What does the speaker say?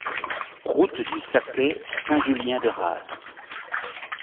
Route du Saquet, Saint-Julien-de-Raz